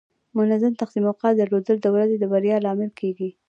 منظم تقسیم اوقات درلودل د ورځې د بریا لامل کیږي.